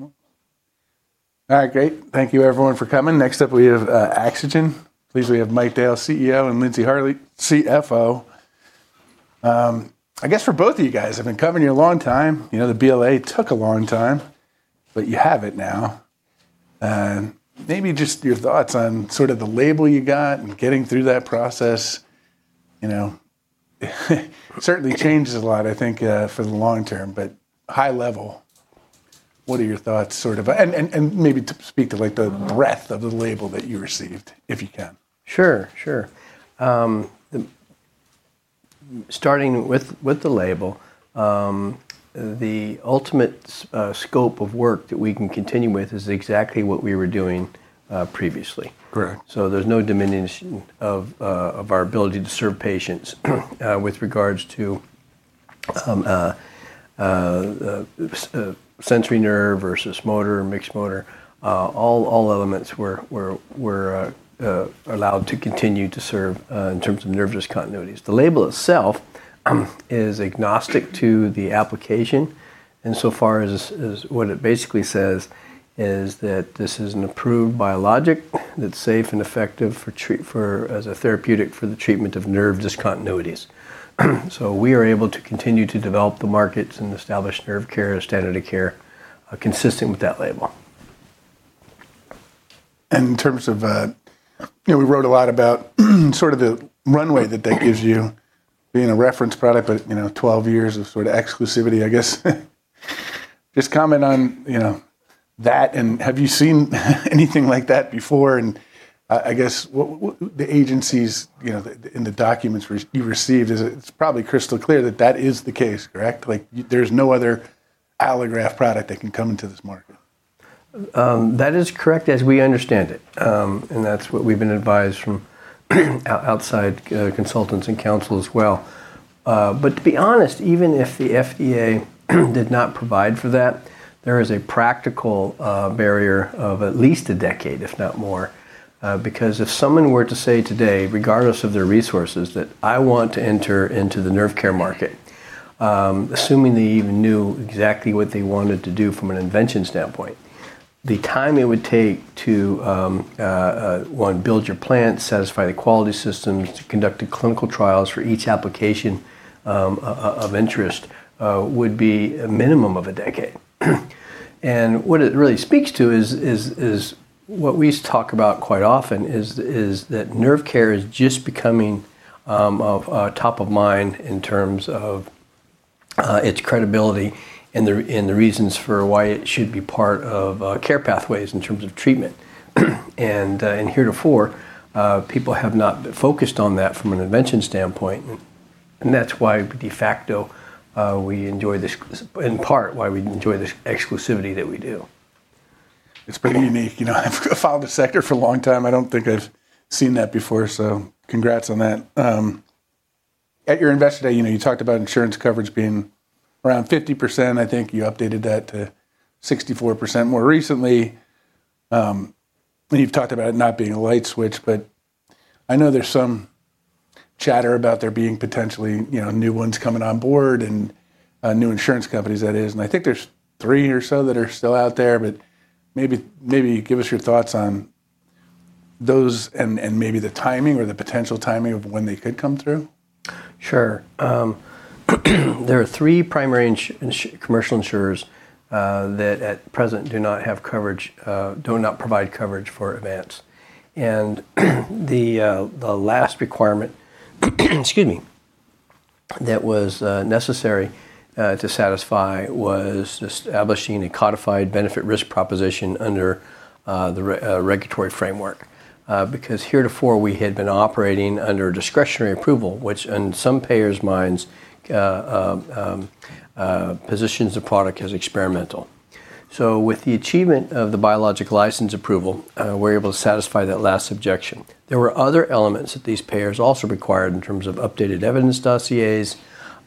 All right, great. Thank you everyone for coming. Next up we have Axogen. Please, we have Mike Dale, CEO, and Lindsey Hartley, CFO. I guess for both of you guys, I've been covering you a long time. You know, the BLA took a long time, but you have it now. Maybe just your thoughts on sort of the label you got and getting through that process. You know, certainly changes a lot, I think, for the long term, but high level, what are your thoughts sort of? Maybe to speak to like the breadth of the label that you received, if you can. Sure. Starting with the label, the ultimate scope of work that we can continue with is exactly what we were doing previously. Correct. There's no diminution of our ability to serve patients with regards to sensory nerve versus motor and mixed nerve. All elements were allowed to continue to serve in terms of nerve discontinuities. The label itself is agnostic to the application insofar as what it basically says is that this is an approved biologic that's safe and effective for as a therapeutic for the treatment of nerve discontinuities. We are able to continue to develop the markets and establish nerve care as standard of care consistent with that label. In terms of, you know, we wrote a lot about sort of the runway that that gives you being a reference product, but you know, 12 years of sort of exclusivity, I guess. Just comment on, you know, that and have you seen anything like that before? I guess the agencies, you know, the, and the documents you received is, it's probably crystal clear that that is the case, correct? Like there's no other allograft product that can come into this market. That is correct as we understand it. That's what we've been advised from outside consultants and counsel as well. To be honest, even if the FDA did not provide for that, there is a practical barrier of at least a decade, if not more. If someone were to say today, regardless of their resources, that I want to enter into the nerve care market, assuming they even knew exactly what they wanted to do from an invention standpoint, the time it would take to one, build your plant, satisfy the quality systems, to conduct the clinical trials for each application of interest, would be a minimum of a decade. What it really speaks to is what we talk about quite often is that nerve care is just becoming top of mind in terms of its credibility and the reasons for why it should be part of care pathways in terms of treatment. Heretofore people have not focused on that from an intervention standpoint, and that's why de facto in part why we enjoy this exclusivity that we do. It's pretty unique. You know, I've followed the sector for a long time. I don't think I've seen that before, so congrats on that. At your Investor Day, you know, you talked about insurance coverage being around 50%. I think you updated that to 64% more recently. You've talked about it not being a light switch, but I know there's some chatter about there being potentially, you know, new ones coming on board and new insurance companies that is, and I think there's three or so that are still out there. Maybe give us your thoughts on those and maybe the timing or the potential timing of when they could come through. Sure. There are three primary commercial insurers that at present do not have coverage, do not provide coverage for Avance. The last requirement that was necessary to satisfy was establishing a codified benefit risk proposition under the regulatory framework. Because heretofore we had been operating under discretionary approval, which in some payers' minds positions the product as experimental. With the achievement of the Biologic License Approval, we're able to satisfy that last objection. There were other elements that these payers also required in terms of updated evidence dossiers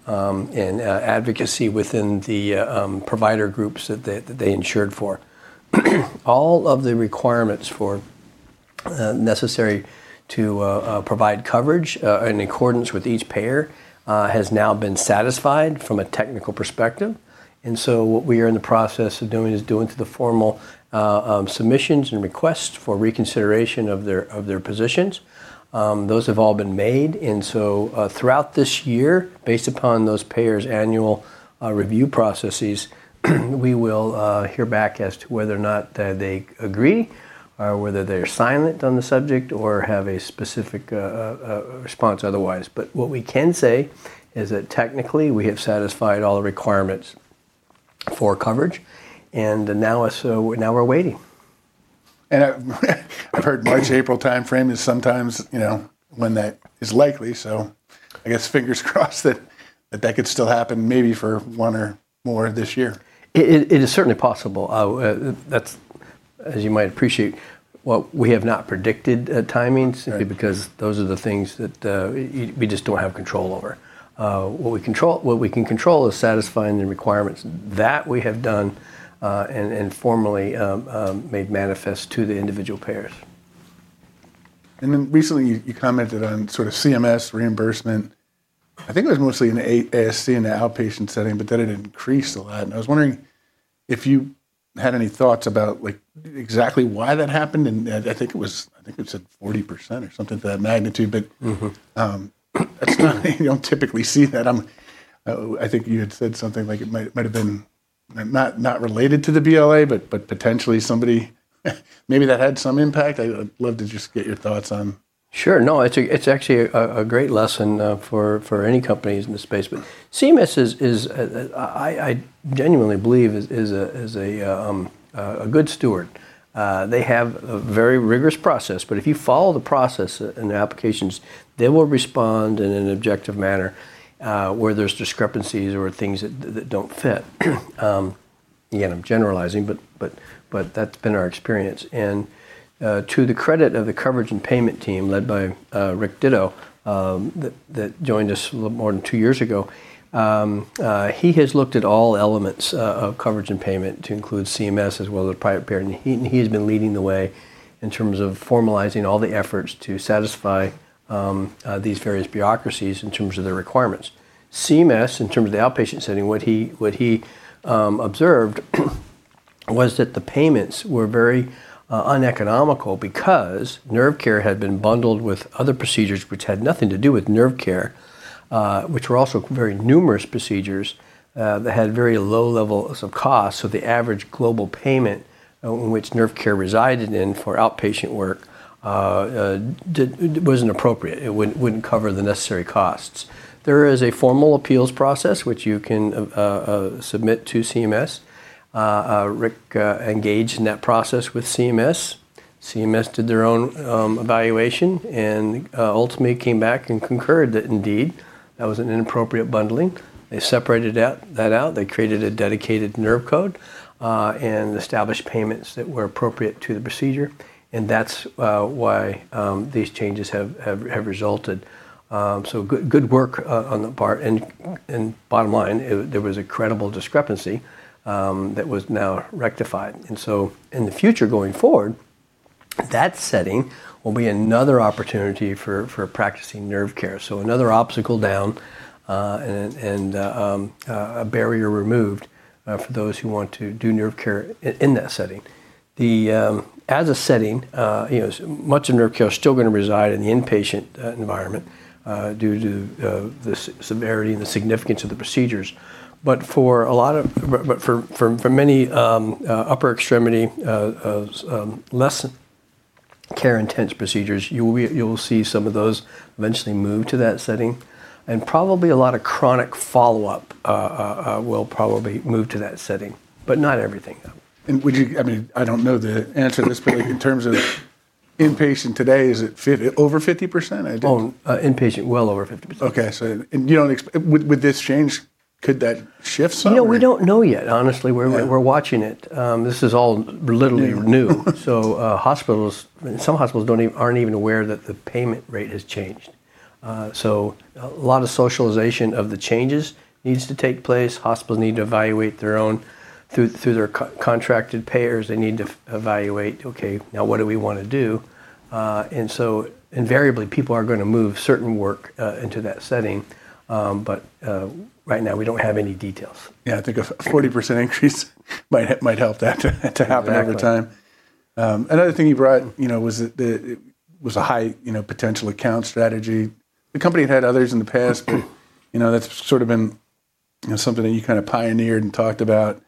and advocacy within the provider groups that they insured for. All of the requirements necessary to provide coverage in accordance with each payer has now been satisfied from a technical perspective. What we are in the process of doing is doing the formal submissions and requests for reconsideration of their positions. Those have all been made. Throughout this year, based upon those payers' annual review processes, we will hear back as to whether or not they agree or whether they're silent on the subject or have a specific response otherwise. What we can say is that technically we have satisfied all the requirements for coverage, and now we're waiting. I've heard March, April timeframe is sometimes, you know, when that is likely. I guess fingers crossed that could still happen maybe for one or more this year. It is certainly possible. That's, as you might appreciate, what we have not predicted, timing. Right. Simply because those are the things that we just don't have control over. What we can control is satisfying the requirements. That we have done, and formally made manifest to the individual payers. Recently you commented on sort of CMS reimbursement. I think it was mostly in ASC, in the outpatient setting, but then it increased a lot, and I was wondering if you had any thoughts about, like, exactly why that happened, and I think it said 40% or something to that magnitude, but. You don't typically see that. I think you had said something like it might've been not related to the BLA, but potentially somebody maybe that had some impact. I would love to just get your thoughts on. Sure. No, it's actually a great lesson for any companies in this space. CMS is, I genuinely believe, a good steward. They have a very rigorous process, but if you follow the process and the applications, they will respond in an objective manner, where there's discrepancies or things that don't fit. Again, I'm generalizing, but that's been our experience. To the credit of the coverage and payment team led by Rick Ditto that joined us a little more than two years ago, he has looked at all elements of coverage and payment to include CMS as well as private payer, and he's been leading the way in terms of formalizing all the efforts to satisfy these various bureaucracies in terms of their requirements. CMS, in terms of the outpatient setting, what he observed was that the payments were very uneconomical because nerve care had been bundled with other procedures which had nothing to do with nerve care, which were also very numerous procedures that had very low levels of cost. The average global payment which nerve care resided in for outpatient work wasn't appropriate. It wouldn't cover the necessary costs. There is a formal appeals process which you can submit to CMS. Rick engaged in that process with CMS. CMS did their own evaluation and ultimately came back and concurred that indeed that was an inappropriate bundling. They separated that out. They created a dedicated nerve code and established payments that were appropriate to the procedure, and that's why these changes have resulted. Good work on the part. Bottom line, there was a credible discrepancy that was now rectified. In the future going forward, that setting will be another opportunity for practicing nerve care. Another obstacle down, a barrier removed for those who want to do nerve care in that setting. As a setting, you know, much of nerve care is still gonna reside in the inpatient environment due to the severity and the significance of the procedures. For many upper extremity less care intense procedures, you will see some of those eventually move to that setting and probably a lot of chronic follow-up will probably move to that setting, but not everything, though. Would you, I mean, I don't know the answer to this, but in terms of inpatient today, is it over 50%? I don't Oh, inpatient, well over 50%. Would this change? Could that shift somewhere? You know, we don't know yet, honestly. We're watching it. This is all literally new. Hospitals, some hospitals aren't even aware that the payment rate has changed. A lot of socialization of the changes needs to take place. Hospitals need to evaluate their own through their contracted payers. They need to evaluate, "Okay, now what do we wanna do?" Invariably, people are gonna move certain work into that setting. Right now we don't have any details. Yeah, I think a 40% increase might help that to happen over time. Exactly. Another thing you brought, you know, was a high potential account strategy. The company had others in the past, but, you know, that's sort of been, you know, something that you kind of pioneered and talked about.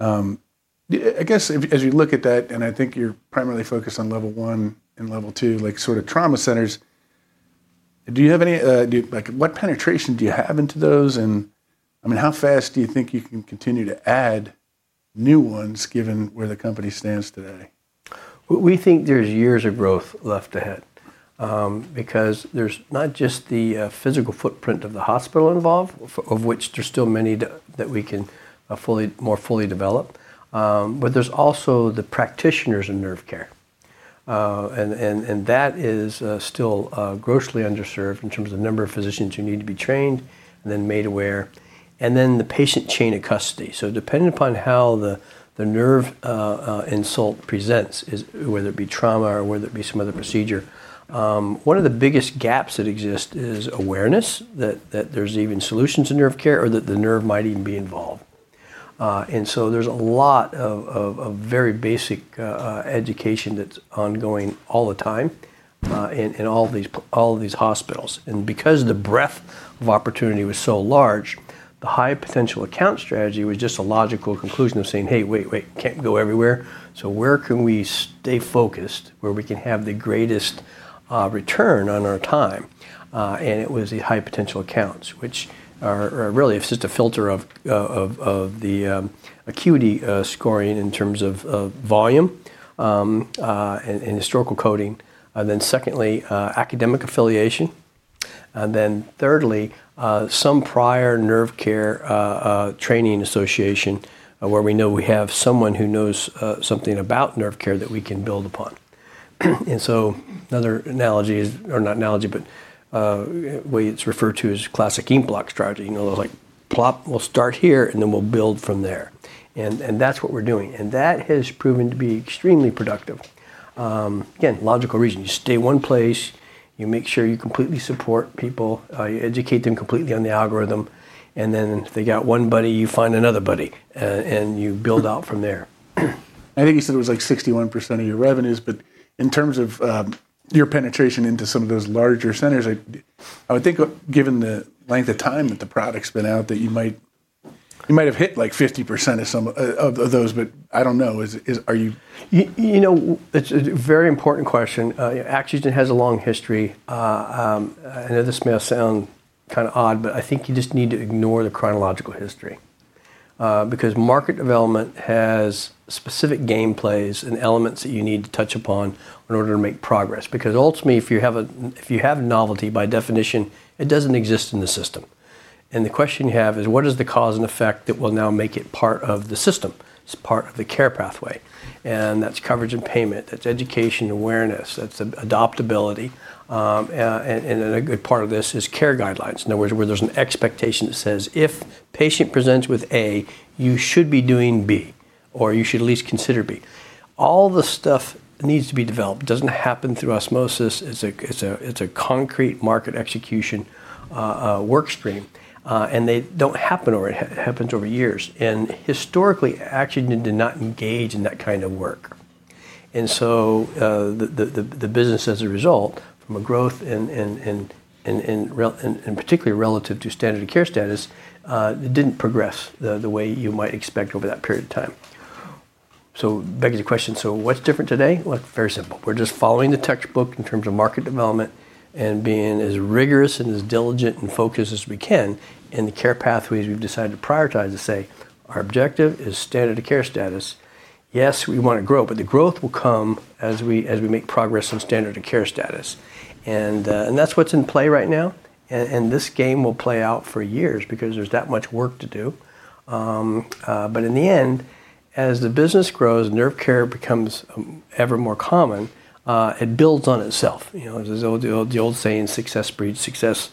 I guess if as you look at that, and I think you're primarily focused on Level I and Level II, like sort of trauma centers, do you have any, like what penetration do you have into those? And I mean, how fast do you think you can continue to add new ones given where the company stands today? We think there's years of growth left ahead, because there's not just the physical footprint of the hospital involved, of which there's still many that we can more fully develop, but there's also the practitioners in nerve care. That is still grossly underserved in terms of the number of physicians who need to be trained and then made aware, and then the patient chain of custody. Depending upon how the nerve insult presents is whether it be trauma or whether it be some other procedure, one of the biggest gaps that exist is awareness that there's even solutions to nerve care or that the nerve might even be involved. There's a lot of very basic education that's ongoing all the time in all these hospitals. Because the breadth of opportunity was so large, the high potential account strategy was just a logical conclusion of saying, "Hey, wait. Can't go everywhere. So where can we stay focused, where we can have the greatest return on our time?" It was the high potential accounts, which are really it's just a filter of the acuity scoring in terms of volume and historical coding, then secondly, academic affiliation, and then thirdly, some prior nerve care training association, where we know we have someone who knows something about nerve care that we can build upon. Another way it's referred to as classic beachhead strategy. You know, like plop, we'll start here, and then we'll build from there. That's what we're doing. That has proven to be extremely productive. Again, logical reason. You stay in one place, you make sure you completely support people, you educate them completely on the algorithm, and then if they got one buddy, you find another buddy, and you build out from there. I think you said it was like 61% of your revenues, but in terms of your penetration into some of those larger centers, I would think of given the length of time that the product's been out, that you might have hit like 50% of some of those, but I don't know. Are you- You know, it's a very important question. Yeah, Axogen has a long history. This may sound kinda odd, but I think you just need to ignore the chronological history. Because market development has specific gameplays and elements that you need to touch upon in order to make progress. Ultimately, if you have novelty by definition, it doesn't exist in the system. The question you have is what is the cause and effect that will now make it part of the system, as part of the care pathway? That's coverage and payment. That's education awareness. That's adoptability. A good part of this is care guidelines, in other words, where there's an expectation that says, "If patient presents with A, you should be doing B, or you should at least consider B." All the stuff needs to be developed, doesn't happen through osmosis. It's a concrete market execution work stream. It happens over years. Historically, Axogen did not engage in that kind of work. The business as a result from a growth and particularly relative to standard of care status, it didn't progress the way you might expect over that period of time. Begs the question, what's different today? Well, very simple. We're just following the textbook in terms of market development and being as rigorous and as diligent and focused as we can in the care pathways we've decided to prioritize and say, "Our objective is standard of care status." Yes, we wanna grow, but the growth will come as we make progress on standard of care status. That's what's in play right now. This game will play out for years because there's that much work to do. In the end, as the business grows, nerve care becomes ever more common. It builds on itself. You know, there's the old saying, "Success breeds success."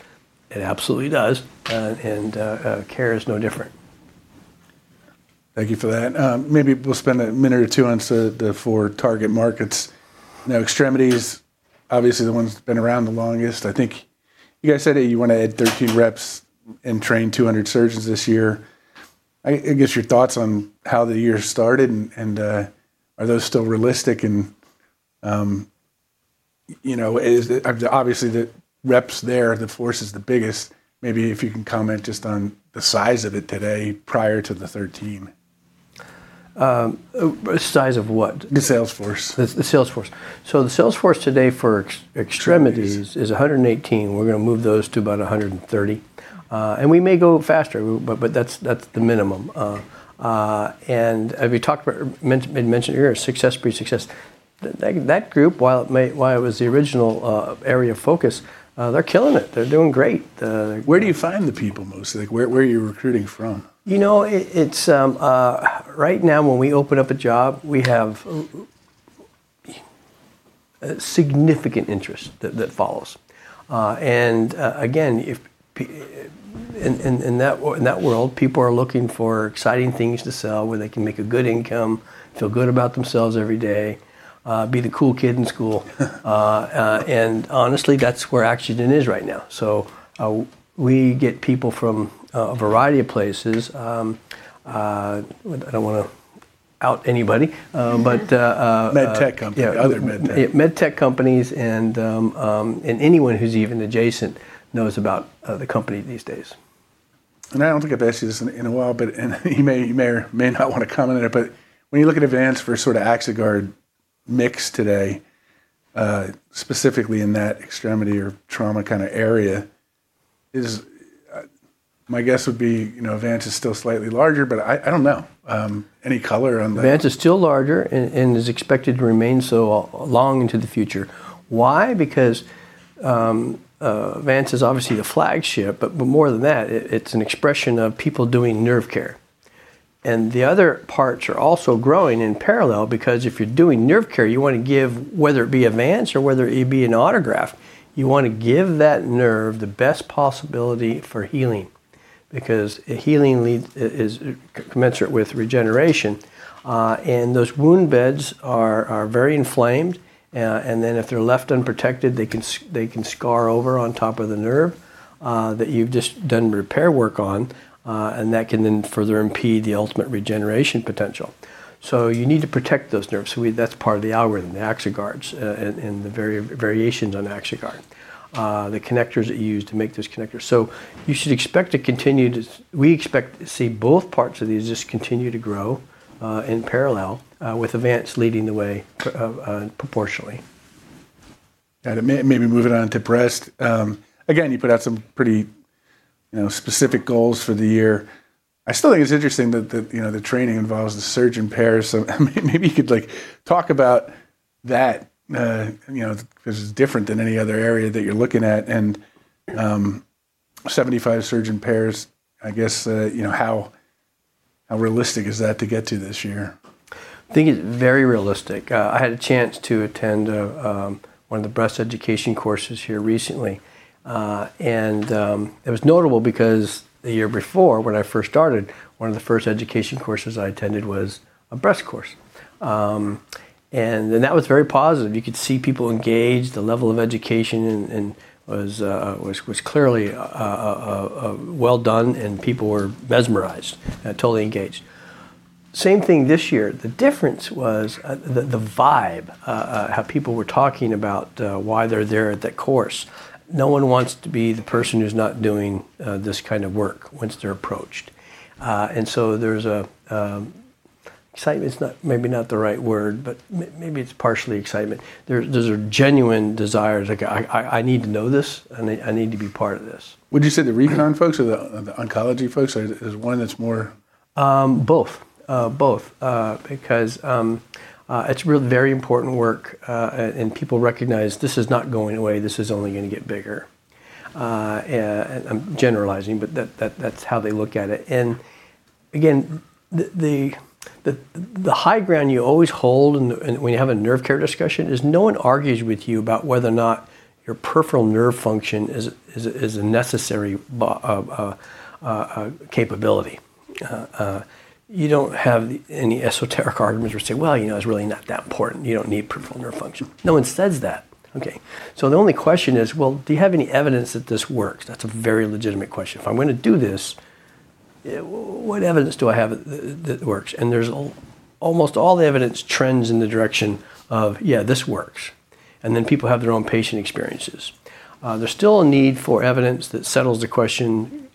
It absolutely does. Care is no different. Thank you for that. Maybe we'll spend a minute or two on the four target markets. Now, extremities, obviously the one that's been around the longest. I think you guys said that you wanna add 13 reps and train 200 surgeons this year. I guess your thoughts on how the year started and are those still realistic? You know, obviously, the reps there, the sales force is the biggest. Maybe if you can comment just on the size of it today prior to the 13. Size of what? The sales force. The sales force. The sales force today for extremities- Extremities is 118. We're gonna move those to about 130. We may go faster, but that's the minimum. As we talked about, as mentioned here, success breeds success. That group, while it was the original area of focus, they're killing it. They're doing great. Where do you find the people mostly? Like, where are you recruiting from? You know, it's right now when we open up a job. We have a significant interest that follows. Again, in that world, people are looking for exciting things to sell where they can make a good income, feel good about themselves every day, be the cool kid in school. Honestly, that's where Axogen is right now. We get people from a variety of places. I don't wanna out anybody, but Med tech companies. Yeah. other med tech. Med tech companies and anyone who's even adjacent knows about the company these days. I don't think I've asked you this in a while, but you may or may not wanna comment on it, but when you look at Avance for sort of AxoGuard mix today, specifically in that extremity or trauma kinda area, my guess would be, you know, Avance is still slightly larger, but I don't know. Any color on the- Avance is still larger and is expected to remain so long into the future. Why? Because Avance is obviously the flagship, but more than that, it's an expression of people doing nerve care. The other parts are also growing in parallel because if you're doing nerve care, you wanna give, whether it be an Avance or whether it be an autograft, you wanna give that nerve the best possibility for healing, because healing is commensurate with regeneration. Those wound beds are very inflamed. Then if they're left unprotected, they can scar over on top of the nerve that you've just done repair work on. That can then further impede the ultimate regeneration potential. You need to protect those nerves. That's part of the algorithm, the AxoGuard, and the variations on AxoGuard. The connectors that you use to make those connectors. We expect to see both parts of these just continue to grow, in parallel, with Avance leading the way proportionally. Maybe moving on to breast. Again, you put out some pretty, you know, specific goals for the year. I still think it's interesting that the, you know, the training involves the surgeon pairs. Maybe you could, like, talk about that. You know, 'cause it's different than any other area that you're looking at. 75 surgeon pairs, I guess, you know, how realistic is that to get to this year? I think it's very realistic. I had a chance to attend one of the breast education courses here recently. It was notable because the year before when I first started, one of the first education courses I attended was a breast course. That was very positive. You could see people engaged. The level of education was clearly well done, and people were mesmerized and totally engaged. Same thing this year. The difference was the vibe, how people were talking about why they're there at that course. No one wants to be the person who's not doing this kind of work once they're approached. There's a excitement, maybe not the right word, but maybe it's partially excitement. Those are genuine desires, like I, "I need to know this and I need to be part of this. Would you say the recon folks or the oncology folks? Is there one that's more- Both, because it's very important work, and people recognize this is not going away, this is only gonna get bigger. I'm generalizing, but that's how they look at it. Again, the high ground you always hold and when you have a nerve care discussion is no one argues with you about whether or not your peripheral nerve function is a necessary capability. You don't have any esoteric arguments or say, "Well, you know, it's really not that important. You don't need peripheral nerve function." No one says that, okay. The only question is, well, do you have any evidence that this works? That's a very legitimate question. If I'm gonna do this, what evidence do I have that it works? There's almost all the evidence trends in the direction of, "Yeah, this works." Then people have their own patient experiences. There's still a need for evidence that settles the question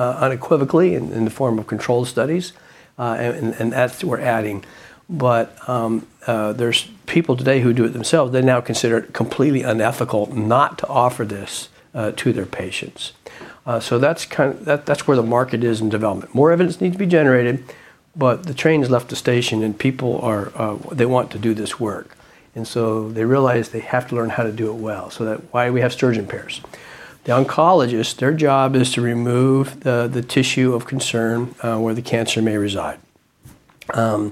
unequivocally in the form of controlled studies, and that's what we're adding. There's people today who do it themselves, they now consider it completely unethical not to offer this to their patients. That's where the market is in development. More evidence needs to be generated, but the train has left the station and people are, they want to do this work, and so they realize they have to learn how to do it well. That's why we have surgeon pairs. The oncologist, their job is to remove the tissue of concern where the cancer may reside. Our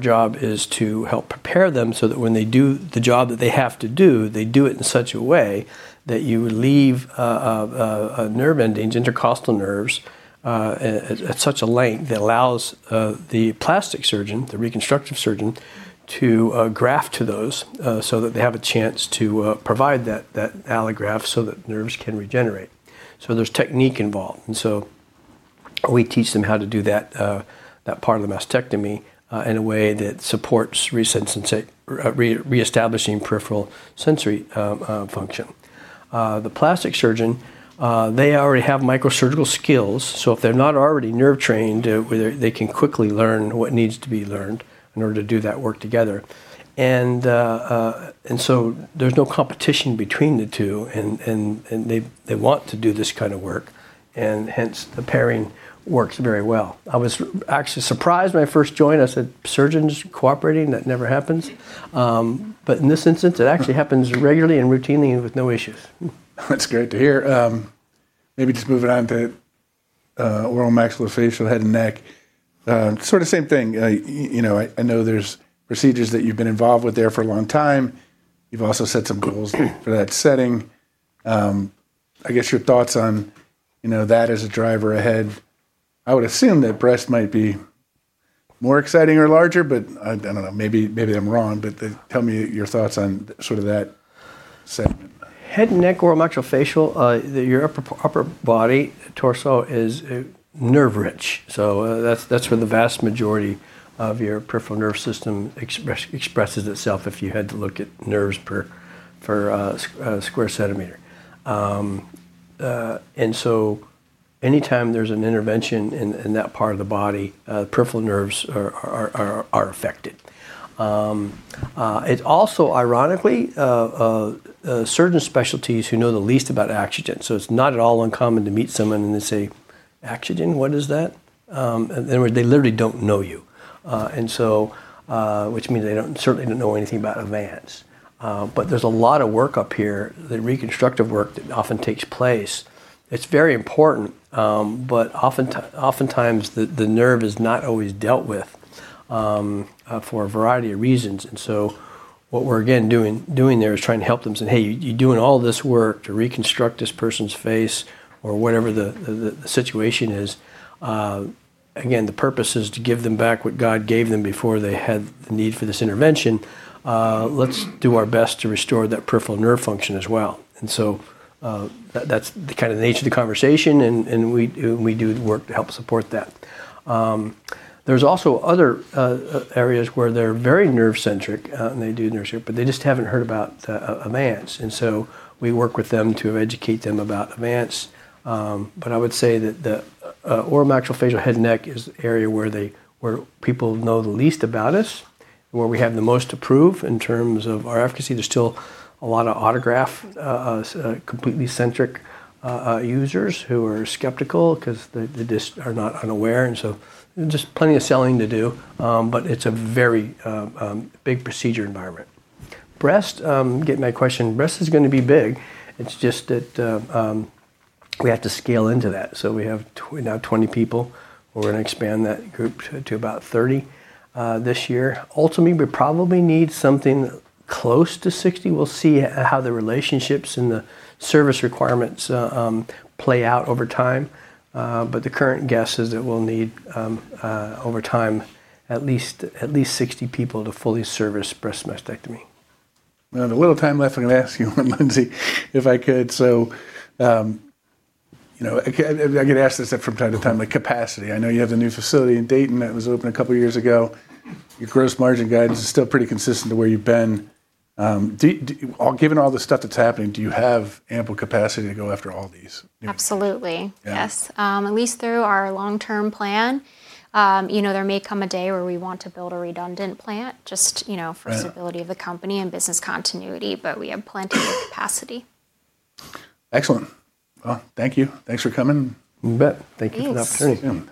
job is to help prepare them so that when they do the job that they have to do, they do it in such a way that you leave a nerve ending, intercostal nerves, at such a length that allows the plastic surgeon, the reconstructive surgeon, to graft to those, so that they have a chance to provide that allograft so that nerves can regenerate. There's technique involved, and so we teach them how to do that part of the mastectomy in a way that supports ReSensation, reestablishing peripheral sensory function. The plastic surgeon, they already have microsurgical skills, so if they're not already nerve trained, they can quickly learn what needs to be learned in order to do that work together. There's no competition between the two and they want to do this kind of work, and hence the pairing works very well. I was actually surprised when I first joined. I said, "Surgeons cooperating? That never happens." In this instance, it actually happens regularly and routinely with no issues. That's great to hear. Maybe just moving on to oral and maxillofacial, head and neck. Sort of same thing. You know, I know there's procedures that you've been involved with there for a long time. You've also set some goals for that setting. I guess your thoughts on, you know, that as a driver ahead. I would assume that breast might be more exciting or larger, but I don't know, maybe I'm wrong. Tell me your thoughts on sort of that segment. Head and neck, oral and maxillofacial, your upper body torso is nerve rich, so that's where the vast majority of your peripheral nerve system expresses itself, if you had to look at nerves per square centimeter. Anytime there's an intervention in that part of the body, peripheral nerves are affected. It's also ironically certain specialties who know the least about AxoGen. So it's not at all uncommon to meet someone and they say, "AxoGen, what is that?" They literally don't know you. Which means they don't certainly don't know anything about Avance. But there's a lot of work up here, the reconstructive work that often takes place. It's very important, but oftentimes, the nerve is not always dealt with for a variety of reasons. What we're again doing there is trying to help them say, "Hey, you're doing all this work to reconstruct this person's face," or whatever the situation is. Again, the purpose is to give them back what God gave them before they had the need for this intervention. Let's do our best to restore that peripheral nerve function as well. That's kind of the nature of the conversation and we do work to help support that. There's also other areas where they're very nerve centric, and they do nerve surgery, but they just haven't heard about Avance. We work with them to educate them about Avance. I would say that the oral and maxillofacial, head and neck is the area where people know the least about us, and where we have the most to prove in terms of our efficacy. There's still a lot of autograft-centric users who are skeptical because they just are unaware, and just plenty of selling to do. It's a very big procedure environment. Breast, getting to that question. Breast is gonna be big. It's just that we have to scale into that. We have now 20 people. We're gonna expand that group to about 30 this year. Ultimately, we probably need something close to 60. We'll see how the relationships and the service requirements play out over time. The current guess is that we'll need, over time at least, 60 people to fully service breast mastectomy. Now, the little time left, I'm gonna ask you one, Lindsey, if I could. You know, again, I get asked this from time to time, like capacity. I know you have the new facility in Dayton that was open a couple of years ago. Your gross margin guidance is still pretty consistent to where you've been. Given all the stuff that's happening, do you have ample capacity to go after all these? Absolutely. Yeah. Yes. At least through our long-term plan, you know, there may come a day where we want to build a redundant plant just, you know. Right? For stability of the company and business continuity, but we have plenty of capacity. Excellent. Well, thank you. Thanks for coming. You bet. Thank you for the opportunity. Thanks.